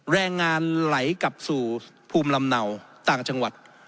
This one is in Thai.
แรงงานไหลกลับสู่ภูมิลำเนาต่างจังหวัด